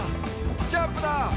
ジャンプだ！」